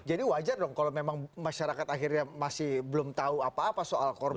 jadi wajar dong kalau memang masyarakat akhirnya masih belum tahu apa apa soal korban